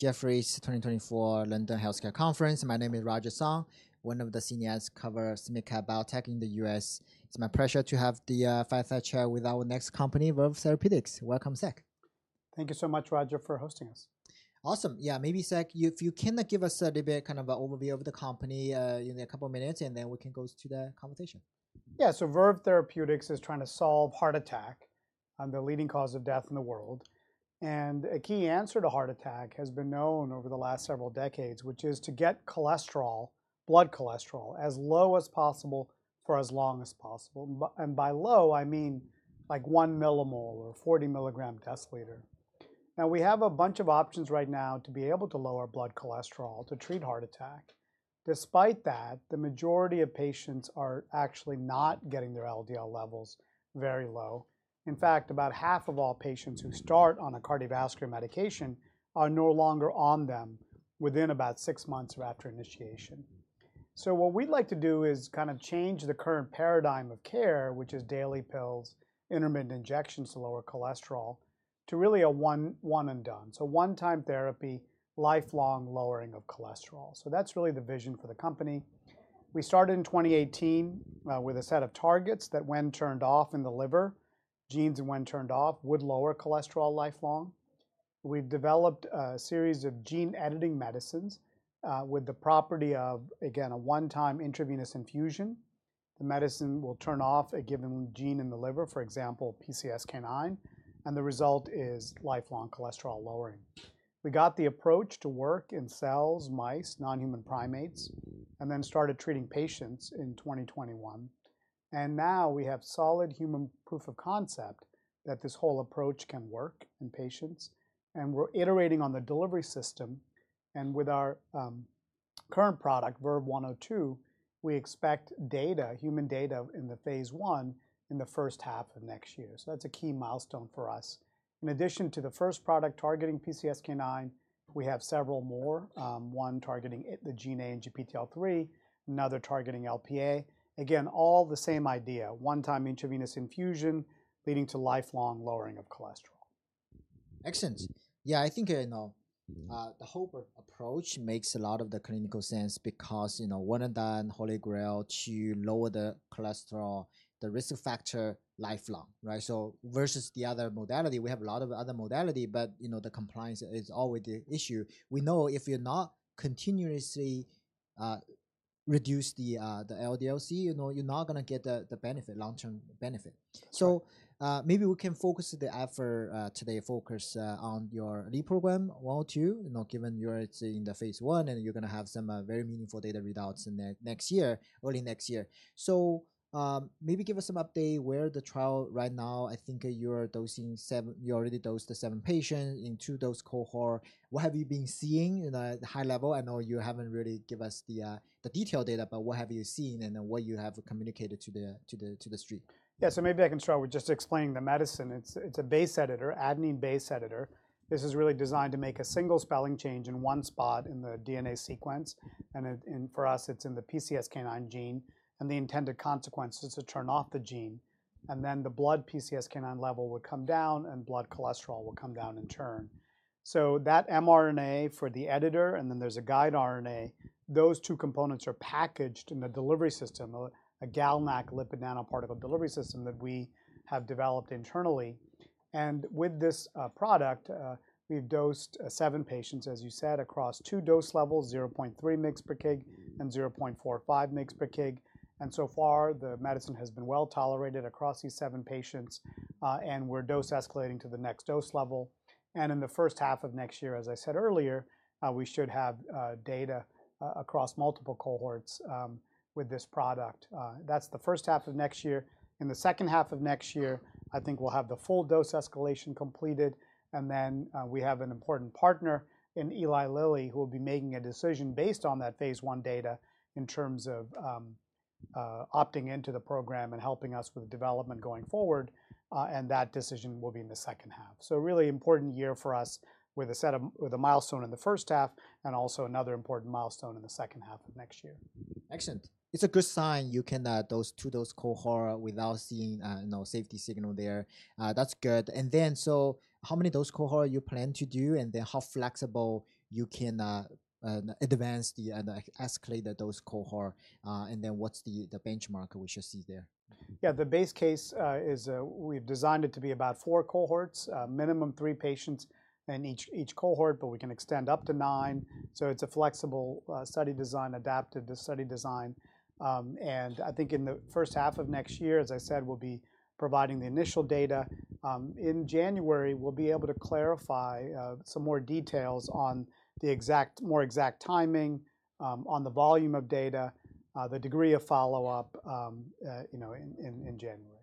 Jefferies 2024 London Healthcare Conference. My name is Roger Song, one of the senior heads covering biotech in the US. It's my pleasure to have the fireside chat with our next company, Verve Therapeutics. Welcome, Sek. Thank you so much, Roger, for hosting us. Awesome. Yeah, maybe, Sek, if you can give us a little bit of an overview of the company in a couple of minutes, and then we can go to the conversation. Yeah, so Verve Therapeutics is trying to solve heart attack, the leading cause of death in the world. And a key answer to heart attack has been known over the last several decades, which is to get cholesterol, blood cholesterol, as low as possible for as long as possible. And by low, I mean like one millimole or 40 milligrams per deciliter. Now, we have a bunch of options right now to be able to lower blood cholesterol to treat heart attack. Despite that, the majority of patients are actually not getting their LDL levels very low. In fact, about half of all patients who start on a cardiovascular medication are no longer on them within about 6 months or after initiation. So what we'd like to do is kind of change the current paradigm of care, which is daily pills, intermittent injections to lower cholesterol, to really a one-and-done. One-time therapy, lifelong lowering of cholesterol. That's really the vision for the company. We started in 2018 with a set of targets that, when turned off in the liver, genes when turned off would lower cholesterol lifelong. We've developed a series of gene-editing medicines with the property of, again, a one-time intravenous infusion. The medicine will turn off a given gene in the liver, for example, PCSK9, and the result is lifelong cholesterol lowering. We got the approach to work in cells, mice, non-human primates, and then started treating patients in 2021. Now we have solid human proof of concept that this whole approach can work in patients. We're iterating on the delivery system. With our current product, Verve-102, we expect data, human data in the phase one in the first half of next year. That's a key milestone for us. In addition to the first product targeting PCSK9, we have several more, one targeting ANGPTL3, another targeting Lp(a). Again, all the same idea, one-time intravenous infusion leading to lifelong lowering of cholesterol. Excellent. Yeah, I think the whole approach makes a lot of the clinical sense because one-and-done, holy grail, to lower the cholesterol, the risk factor lifelong, right? So versus the other modality, we have a lot of other modalities, but the compliance is always the issue. We know if you're not continuously reducing the LDL-C, you're not going to get the benefit, long-term benefit. So maybe we can focus the effort today, focus on your lead program, 102, given you're in the phase one and you're going to have some very meaningful data results next year, early next year. So maybe give us an update where the trial right now. I think you're dosing, you already dosed the seven patients in two-dose cohort. What have you been seeing at a high level? I know you haven't really given us the detailed data, but what have you seen and what you have communicated to the street? Yeah, so maybe I can start with just explaining the medicine. It's a base editor, adenine base editor. This is really designed to make a single spelling change in one spot in the DNA sequence. And for us, it's in the PCSK9 gene. And the intended consequence is to turn off the gene. And then the blood PCSK9 level would come down and blood cholesterol will come down in turn. So that mRNA for the editor and then there's a guide RNA, those two components are packaged in the delivery system, a GalNAc lipid nanoparticle delivery system that we have developed internally. And with this product, we've dosed seven patients, as you said, across two dose levels, 0.3 mg/kg and 0.45 mg/kg. And so far, the medicine has been well tolerated across these seven patients. And we're dose escalating to the next dose level. In the first half of next year, as I said earlier, we should have data across multiple cohorts with this product. That's the H2 of next year. In the second half of next year, I think we'll have the full dose escalation completed. We have an important partner in Eli Lilly who will be making a decision based on that phase one data in terms of opting into the program and helping us with development going forward. That decision will be in the second half. Really important year for us with a milestone in the first half and also another important milestone in the second half of next year. Excellent. It's a good sign you can dose two dose cohort without seeing a safety signal there. That's good. And then so how many dose cohorts you plan to do and then how flexible you can advance and escalate the dose cohort? And then what's the benchmark we should see there? Yeah, the base case is we've designed it to be about four cohorts, minimum three patients in each cohort, but we can extend up to nine. So it's a flexible study design, adapted to study design. And I think in the H1 of next year, as I said, we'll be providing the initial data. In January, we'll be able to clarify some more details on the exact, more exact timing on the volume of data, the degree of follow-up in January.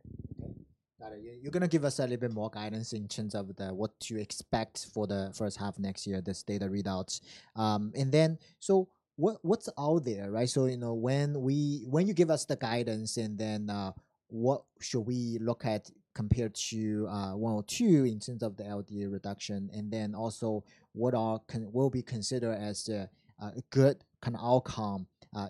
Got it. You're going to give us a little bit more guidance in terms of what to expect for the first half of next year, this data readouts. And then so what's out there, right? So when you give us the guidance, and then what should we look at compared to 102 in terms of the LDL reduction? And then also what will be considered as a good kind of outcome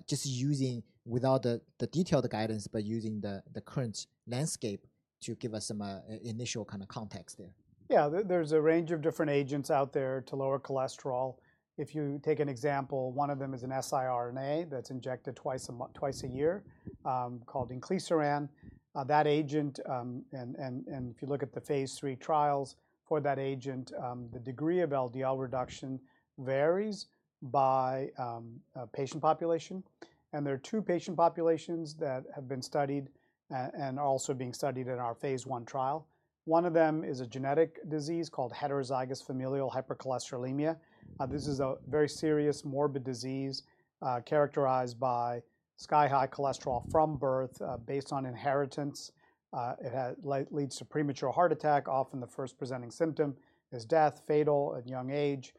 just using without the detailed guidance, but using the current landscape to give us some initial kind of context there? Yeah, there's a range of different agents out there to lower cholesterol. If you take an example, one of them is an siRNA that's injected twice a year called Inclisiran. That agent, and if you look at the phase three trials for that agent, the degree of LDL reduction varies by patient population. And there are two patient populations that have been studied and are also being studied in our phase one trial. One of them is a genetic disease called heterozygous familial hypercholesterolemia. This is a very serious morbid disease characterized by sky-high cholesterol from birth based on inheritance. It leads to premature heart attack. Often the first presenting symptom is death, fatal at a young age.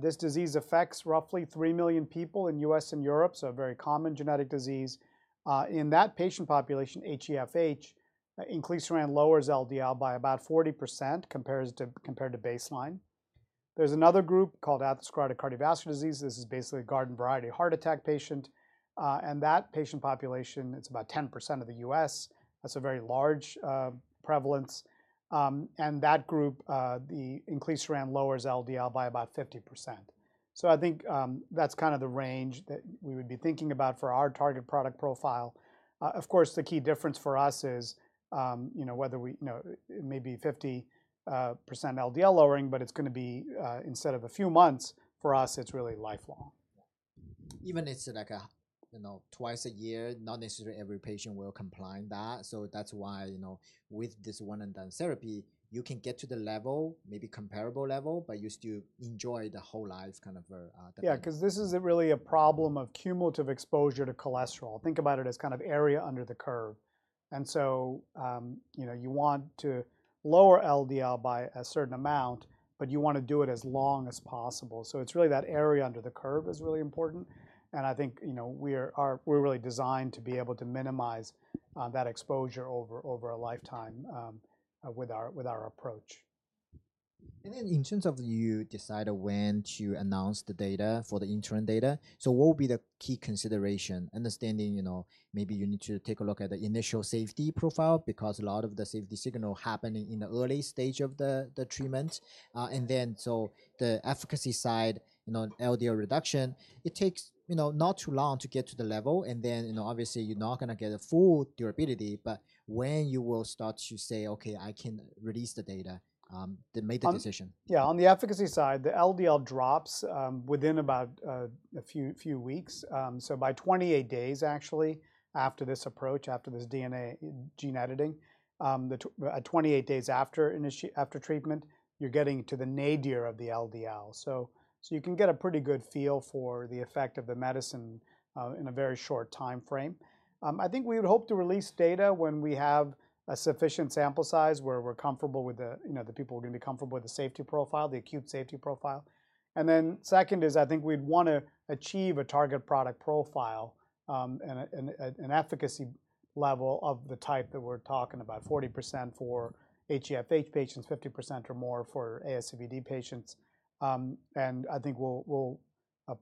This disease affects roughly three million people in the U.S. and Europe, so a very common genetic disease. In that patient population, HeFH, Inclisiran lowers LDL by about 40% compared to baseline. There's another group called atherosclerotic cardiovascular disease. This is basically a garden variety heart attack patient. That patient population is about 10% of the US. That's a very large prevalence. That group, Inclisiran lowers LDL by about 50%. So I think that's kind of the range that we would be thinking about for our target product profile. Of course, the key difference for us is whether it may be 50% LDL lowering, but it's going to be instead of a few months for us; it's really lifelong. Even it's like twice a year, not necessarily every patient will comply with that. So that's why with this one-and-done therapy, you can get to the level, maybe comparable level, but you still enjoy the whole life kind of. Yeah, because this is really a problem of cumulative exposure to cholesterol. Think about it as kind of area under the curve, and so you want to lower LDL by a certain amount, but you want to do it as long as possible, so it's really that area under the curve is really important, and I think we're really designed to be able to minimize that exposure over a lifetime with our approach. And then, in terms of you decide when to announce the data for the interim data, so what will be the key consideration? Understanding maybe you need to take a look at the initial safety profile because a lot of the safety signal happening in the early stage of the treatment. And then so the efficacy side, LDL reduction, it takes not too long to get to the level. And then obviously you're not going to get a full durability, but when you will start to say, okay, I can release the data, make the decision. Yeah, on the efficacy side, the LDL drops within about a few weeks. So by 28 days actually after this approach, after this DNA gene editing, 28 days after treatment, you're getting to the nadir of the LDL. So you can get a pretty good feel for the effect of the medicine in a very short time frame. I think we would hope to release data when we have a sufficient sample size where we're comfortable with the people who are going to be comfortable with the safety profile, the acute safety profile. And then second is I think we'd want to achieve a target product profile and an efficacy level of the type that we're talking about, 40% for HeFH patients, 50% or more for ASCVD patients. And I think we'll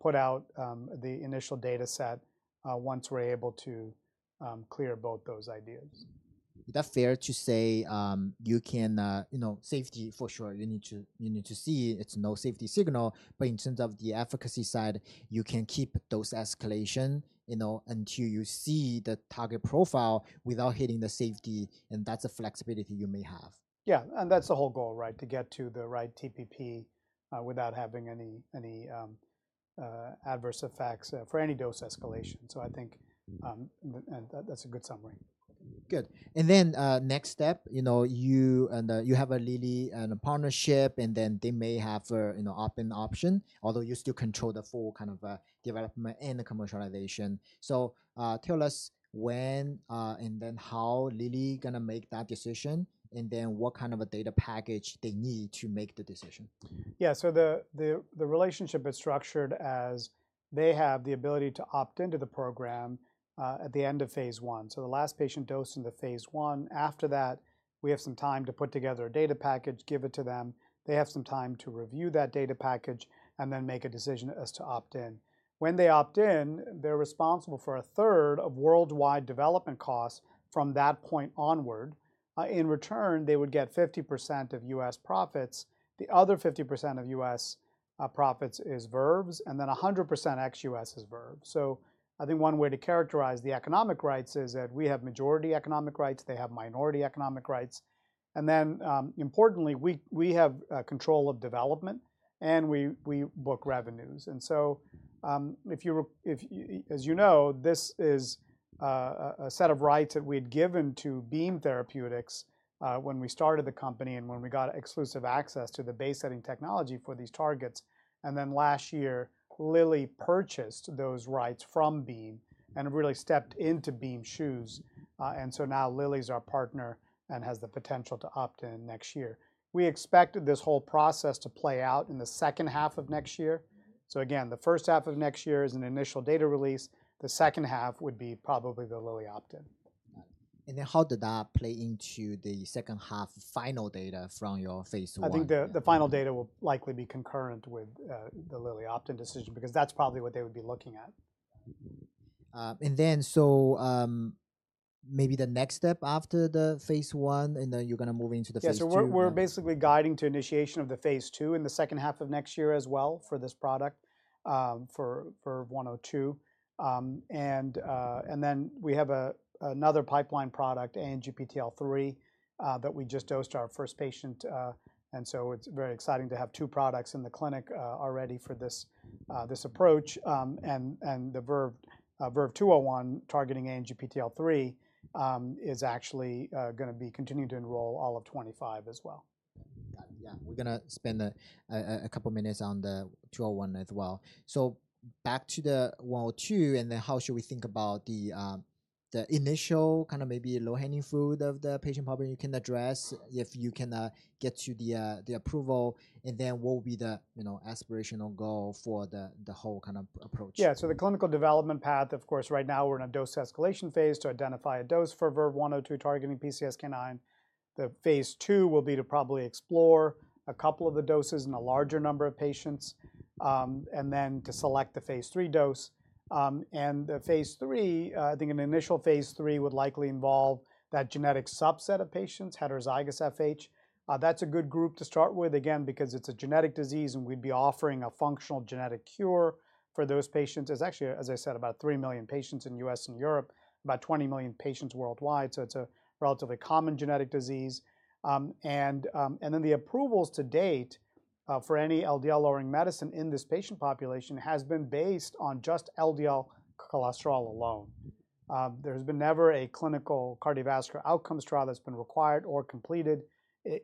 put out the initial data set once we're able to clear both those ideas. Is that fair to say you can say for sure, you need to see it's no safety signal, but in terms of the efficacy side, you can keep those escalations until you see the target profile without hitting the safety, and that's a flexibility you may have. Yeah, and that's the whole goal, right, to get to the right TPP without having any adverse effects for any dose escalation. So I think that's a good summary. Good. And then, next step, you have a Lilly partnership, and then they may have an opt-in option, although you still control the full kind of development and commercialization. So tell us when and then how Lilly is going to make that decision, and then what kind of a data package they need to make the decision. Yeah, so the relationship is structured as they have the ability to opt into the program at the end of phase one. So the last patient dosed in the phase one. After that, we have some time to put together a data package, give it to them. They have some time to review that data package and then make a decision as to opt in. When they opt in, they're responsible for a third of worldwide development costs from that point onward. In return, they would get 50% of US profits. The other 50% of US profits is Verve's, and then 100% ex-US is Verve's. So I think one way to characterize the economic rights is that we have majority economic rights, they have minority economic rights. And then importantly, we have control of development and we book revenues. And so if you, as you know, this is a set of rights that we had given to Beam Therapeutics when we started the company and when we got exclusive access to the base editing technology for these targets. And then last year, Lilly purchased those rights from Beam and really stepped into Beam's shoes. And so now Lilly is our partner and has the potential to opt in next year. We expected this whole process to play out in the H2 of next year. So again, the first half of next year is an initial data release. The H2 would be probably the Lilly opt-in. And then how did that play into the second half final data from your phase 1? I think the final data will likely be concurrent with the Lilly opt-in decision because that's probably what they would be looking at. And then so maybe the next step after the phase one and then you're going to move into the phase two. Yeah, so we're basically guiding to initiation of the phase 2 in the second half of next year as well for this product, VERVE-102. And then we have another pipeline product, ANGPTL3, that we just dosed our first patient. And so it's very exciting to have two products in the clinic already for this approach. And the VERVE-201 targeting ANGPTL3 is actually going to be continuing to enroll all of 2025 as well. Yeah, we're going to spend a couple of minutes on the 201 as well. So back to the 102 and then how should we think about the initial kind of maybe low hanging fruit of the patient population you can address if you can get to the approval? And then what will be the aspirational goal for the whole kind of approach? Yeah, so the clinical development path, of course, right now we're in a dose escalation phase to identify a dose for Verve 102 targeting PCSK9. The phase two will be to probably explore a couple of the doses in a larger number of patients and then to select the phase three dose. And the phase three, I think an initial phase three would likely involve that genetic subset of patients, heterozygous FH. That's a good group to start with, again, because it's a genetic disease and we'd be offering a functional genetic cure for those patients. It's actually, as I said, about three million patients in the US and Europe, about 20 million patients worldwide. So it's a relatively common genetic disease. And then the approvals to date for any LDL lowering medicine in this patient population has been based on just LDL cholesterol alone. There has been never a clinical cardiovascular outcome trial that's been required or completed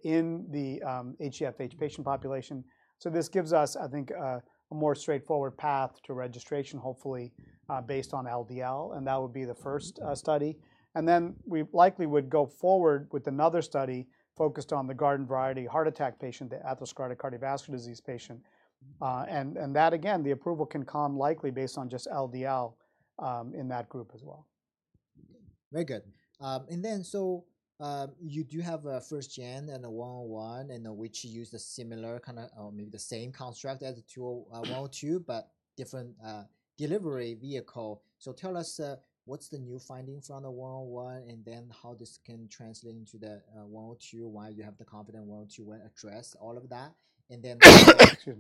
in the HEFH patient population, so this gives us, I think, a more straightforward path to registration, hopefully based on LDL, and that would be the first study, and then we likely would go forward with another study focused on the garden variety heart attack patient, the atherosclerotic cardiovascular disease patient, and that, again, the approval can come likely based on just LDL in that group as well. Very good. And then, so you do have a first gen and a 101 in which you use a similar kind of maybe the same construct as the 102, but different delivery vehicle. So tell us what's the new finding from the 101 and then how this can translate into the 102, why you have confidence in the 102, that addresses all of that. And then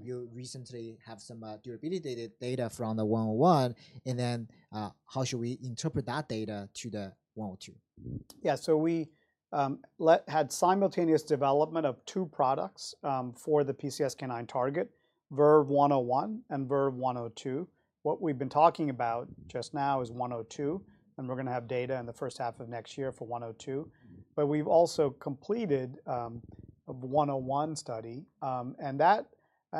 you recently have some durability data from the 101. And then how should we interpret that data to the 102? Yeah, so we had simultaneous development of two products for the PCSK9 target, Verve-101 and Verve-102. What we've been talking about just now is 102. And we're going to have data in the first half of next year for 102. But we've also completed a 101 study. And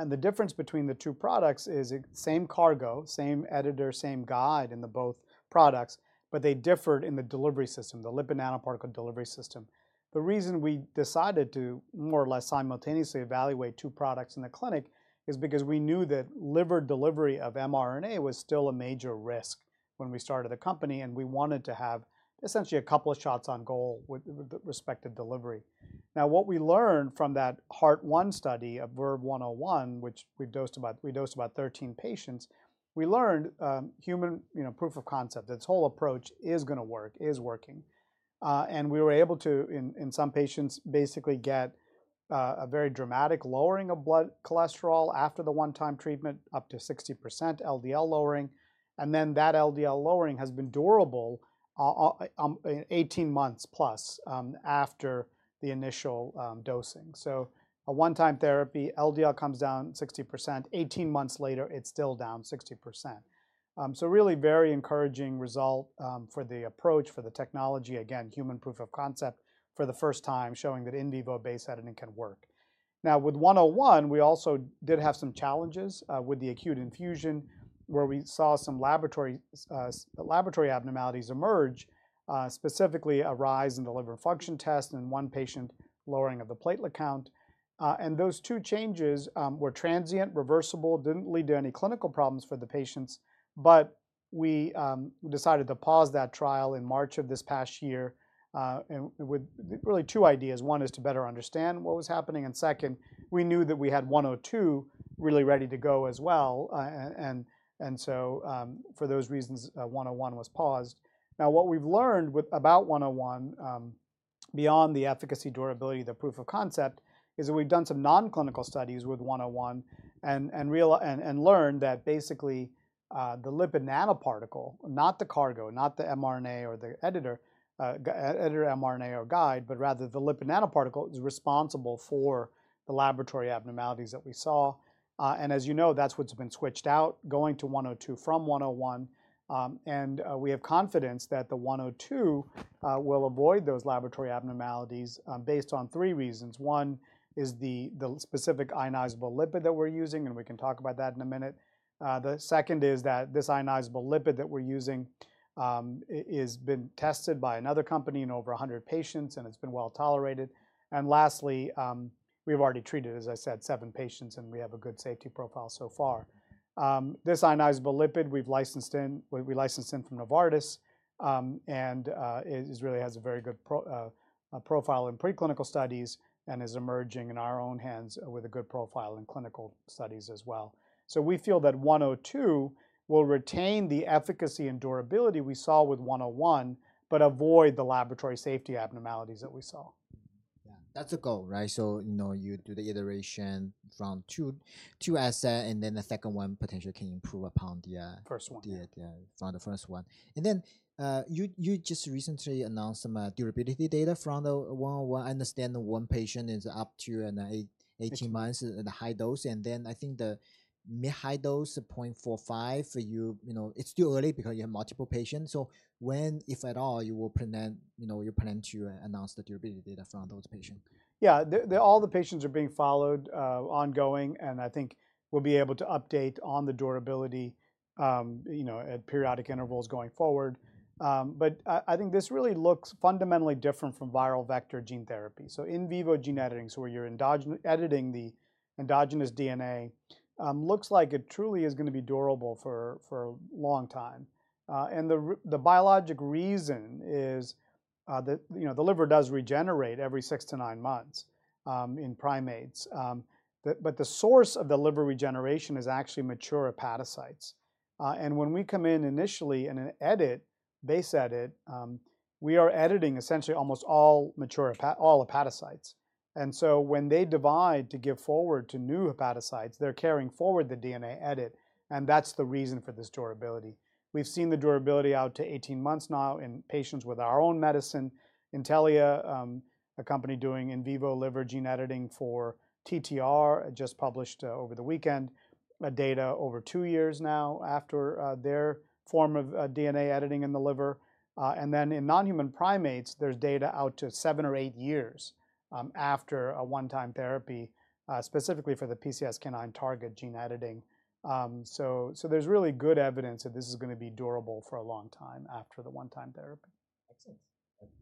the difference between the two products is same cargo, same editor, same guide in both products, but they differed in the delivery system, the lipid nanoparticle delivery system. The reason we decided to more or less simultaneously evaluate two products in the clinic is because we knew that liver delivery of mRNA was still a major risk when we started the company. And we wanted to have essentially a couple of shots on goal with respect to delivery. Now, what we learned from that Heart-1 study of Verve-101, which we dosed about 13 patients, we learned human proof of concept. This whole approach is going to work, is working, and we were able to, in some patients, basically get a very dramatic lowering of blood cholesterol after the one-time treatment, up to 60% LDL lowering, and then that LDL lowering has been durable 18 months plus after the initial dosing, so a one-time therapy, LDL comes down 60%, 18 months later, it's still down 60%, so really very encouraging result for the approach, for the technology, again, human proof of concept for the first time showing that in vivo base editing can work. Now, with 101, we also did have some challenges with the acute infusion where we saw some laboratory abnormalities emerge, specifically a rise in the liver function test and, in one patient, lowering of the platelet count, and those two changes were transient, reversible, didn't lead to any clinical problems for the patients, but we decided to pause that trial in March of this past year with really two ideas. One is to better understand what was happening, and second, we knew that we had 102 really ready to go as well, and so for those reasons, 101 was paused. Now, what we've learned about 101 beyond the efficacy, durability, the proof of concept is that we've done some non-clinical studies with 101 and learned that basically the lipid nanoparticle, not the cargo, not the mRNA or the editor mRNA or guide, but rather the lipid nanoparticle is responsible for the laboratory abnormalities that we saw. And as you know, that's what's been switched out, going to 102 from 101. And we have confidence that the 102 will avoid those laboratory abnormalities based on three reasons. One is the specific ionizable lipid that we're using, and we can talk about that in a minute. The second is that this ionizable lipid that we're using has been tested by another company in over 100 patients, and it's been well tolerated. And lastly, we've already treated, as I said, seven patients, and we have a good safety profile so far. This ionizable lipid we've licensed in from Novartis and really has a very good profile in preclinical studies and is emerging in our own hands with a good profile in clinical studies as well. So we feel that 102 will retain the efficacy and durability we saw with 101, but avoid the laboratory safety abnormalities that we saw. Yeah, that's a goal, right? So you do the iteration from two assets and then the second one potentially can improve upon the. First one. Yeah, yeah, from the first one. And then you just recently announced some durability data from the 101. I understand one patient is up to 18 months at a high dose. And then I think the mid high dose 0.45 for you, it's too early because you have multiple patients. So when, if at all, you will plan to announce the durability data from those patients? Yeah, all the patients are being followed ongoing, and I think we'll be able to update on the durability at periodic intervals going forward. But I think this really looks fundamentally different from viral vector gene therapy. So in vivo gene editing, so where you're editing the endogenous DNA, looks like it truly is going to be durable for a long time. And the biologic reason is that the liver does regenerate every 6 to 9 months in primates. But the source of the liver regeneration is actually mature hepatocytes. And when we come in initially and edit, base edit, we are editing essentially almost all hepatocytes. And so when they divide to give forward to new hepatocytes, they're carrying forward the DNA edit. And that's the reason for this durability. We've seen the durability out to 18 months now in patients with our own medicine. Intellia, a company doing in vivo liver gene editing for TTR, just published over the weekend data over two years now after their form of DNA editing in the liver. And then in non-human primates, there's data out to 7 or 8 years after a one-time therapy, specifically for the PCSK9 target gene editing. So there's really good evidence that this is going to be durable for a long time after the one-time therapy. Excellent.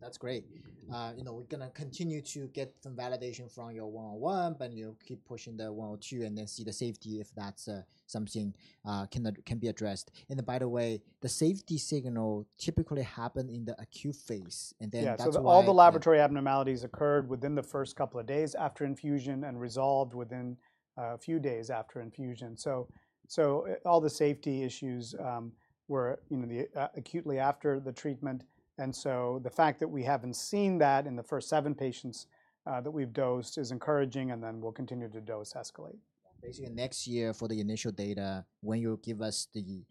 That's great. We're going to continue to get some validation from your 101, but you'll keep pushing the 102 and then see the safety if that's something can be addressed, and by the way, the safety signal typically happened in the acute phase. Yeah, so all the laboratory abnormalities occurred within the first couple of days after infusion and resolved within a few days after infusion. So all the safety issues were acutely after the treatment. And so the fact that we haven't seen that in the first seven patients that we've dosed is encouraging, and then we'll continue to dose escalate. Basically, next year for the initial data, when you give us the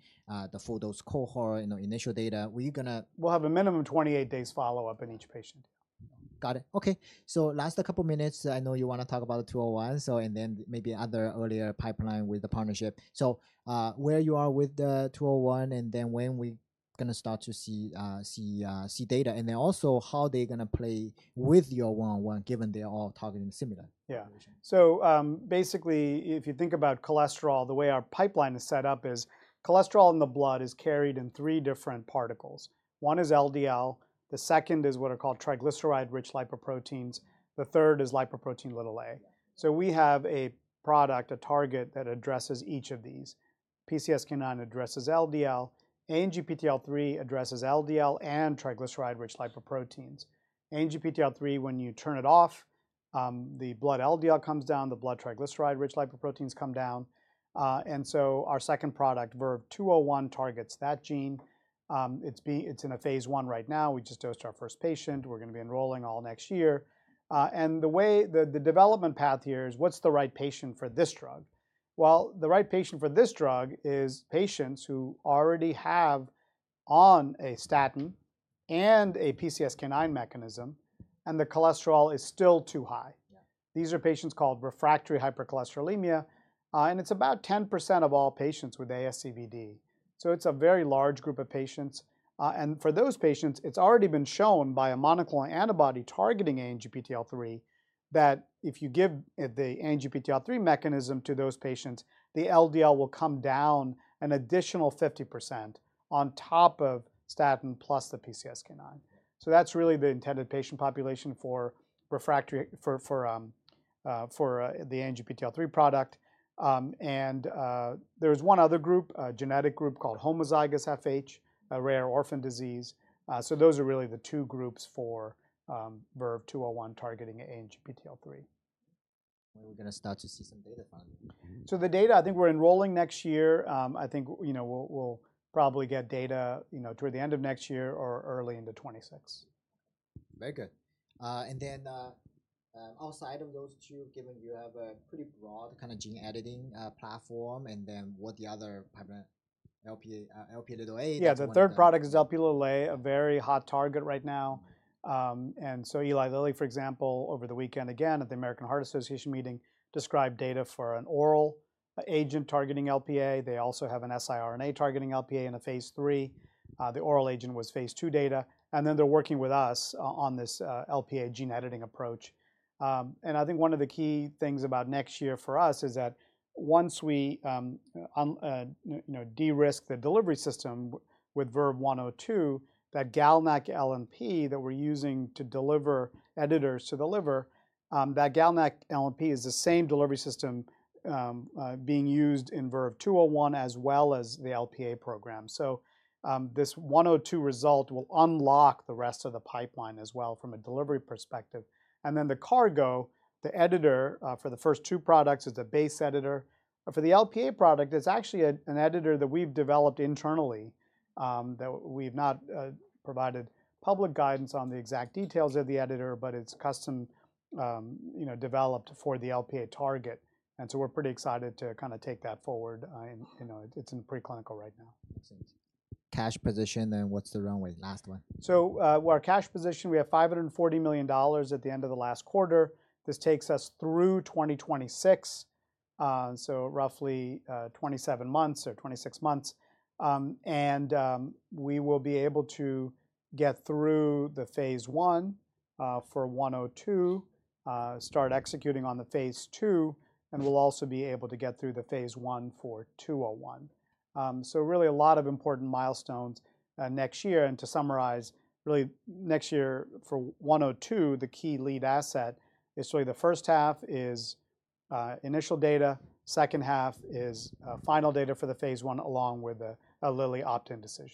full dose cohort, we're going to. We'll have a minimum of 28 days follow-up in each patient. Got it. Okay. So, last a couple of minutes, I know you want to talk about the 201 and then maybe other earlier pipeline with the partnership. So where you are with the 201 and then when we're going to start to see data, and then also how they're going to play with your 101 given they're all targeting similar? Yeah. So basically, if you think about cholesterol, the way our pipeline is set up is cholesterol in the blood is carried in three different particles. One is LDL. The second is what are called triglyceride-rich lipoproteins. The third is Lipoprotein(a). So we have a product, a target that addresses each of these. PCSK9 addresses LDL. ANGPTL3 addresses LDL and triglyceride-rich lipoproteins. ANGPTL3, when you turn it off, the blood LDL comes down, the blood triglyceride-rich lipoproteins come down. And so our second product, Verve 201, targets that gene. It's in a phase one right now. We just dosed our first patient. We're going to be enrolling all next year. And the development path here is what's the right patient for this drug? The right patient for this drug is patients who already have on a statin and a PCSK9 mechanism, and the cholesterol is still too high. These are patients called refractory hypercholesterolemia, and it's about 10% of all patients with ASCVD. It's a very large group of patients. For those patients, it's already been shown by a monoclonal antibody targeting ANGPTL3 that if you give the ANGPTL3 mechanism to those patients, the LDL will come down an additional 50% on top of statin plus the PCSK9. That's really the intended patient population for the ANGPTL3 product. There's one other group, a genetic group called homozygous FH, a rare orphan disease. Those are really the two groups for Verve 201 targeting ANGPTL3. We're going to start to see some data from you. So the data, I think we're enrolling next year. I think we'll probably get data toward the end of next year or early into 2026. Very good. And then, outside of those two, given you have a pretty broad kind of gene editing platform, and then what the other pipeline, Lp(a). Yeah, the third product is Lp(a), a very hot target right now. And so Eli Lilly, for example, over the weekend, again, at the American Heart Association meeting, described data for an oral agent targeting Lp(a). They also have an siRNA targeting Lp(a) in a phase three. The oral agent was phase two data. And then they're working with us on this Lp(a) gene editing approach. And I think one of the key things about next year for us is that once we de-risk the delivery system with Verve 102, that GalNAc LNP that we're using to deliver editors, that GalNAc LNP is the same delivery system being used in Verve 201 as well as the Lp(a) program. So this 102 result will unlock the rest of the pipeline as well from a delivery perspective. And then the cargo, the editor for the first two products is the base editor. For the Lp(a) product, it's actually an editor that we've developed internally that we've not provided public guidance on the exact details of the editor, but it's custom developed for the Lp(a) target. And so we're pretty excited to kind of take that forward. It's in preclinical right now. Cash position, then what's the runway? Last one. Our cash position, we have $540 million at the end of the last quarter. This takes us through 2026, so roughly 27 months or 26 months. We will be able to get through the phase one for 102, start executing on the phase two, and we'll also be able to get through the phase one for 201. Really a lot of important milestones next year. To summarize, really next year for 102, the key lead asset is really the first half is initial data, second half is final data for the phase one along with a Lilly opt-in decision.